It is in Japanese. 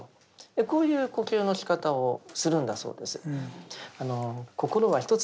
こういう呼吸のしかたをするんだそうです。